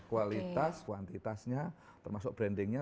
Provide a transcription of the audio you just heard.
kualitas kuantitasnya termasuk brandingnya